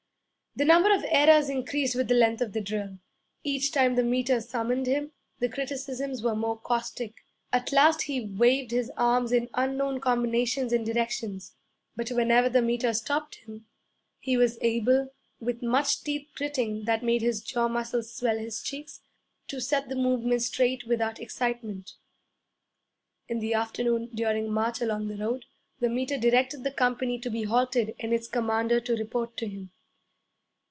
The number of errors increased with the length of the drill. Each time the Meter summoned him, the criticisms were more caustic. At last he waved his arms in unknown combinations and directions. But whenever the Meter stopped him, he was able, with much teeth gritting that made his jaw muscles swell his cheeks, to set the movement straight without excitement. In the afternoon, during a march along the road, the Meter directed the company to be halted and its commander to report to him.